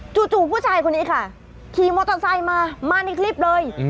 จู่ผู้ชายคนนี้ค่ะขี่มอเตอร์ไซค์มามาในคลิปเลย